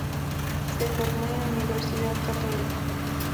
Se formó en Universidad Católica.